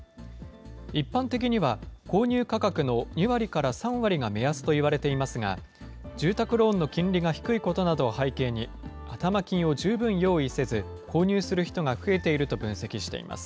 一般的には、購入価格の２割から３割が目安といわれていますが、住宅ローンの金利が低いことなどを背景に、頭金を十分用意せず、購入する人が増えていると分析しています。